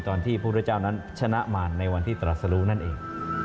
ตอนที่พุทธเจ้านั้นชนะมาในวันที่ตรัสรู้นั่นเอง